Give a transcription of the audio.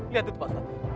lihat itu pak ustadz